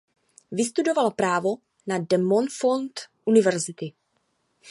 Vystudoval právo na De Montfort University.